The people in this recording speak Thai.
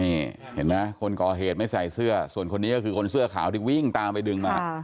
นี่เห็นไหมคนก่อเหตุไม่ใส่เสื้อส่วนคนนี้ก็คือคนเสื้อขาวที่วิ่งตามไปดึงมา